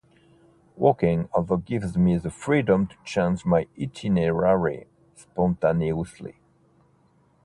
Walking also gives me the freedom to change my itinerary spontaneously.